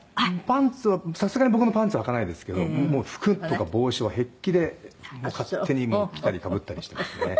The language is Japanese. パンツはさすがに僕のパンツははかないですけどもう服とか帽子は平気でもう勝手に着たりかぶったりしてますね。